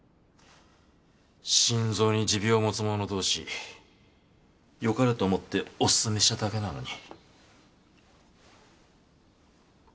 心臓に持病を持つ者同士よかれと思っておすすめしただけなのに